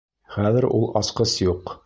Хәҙер ул асҡыс юҡ.